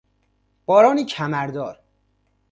بارانی کمر دار